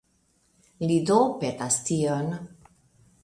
Li do petas tion.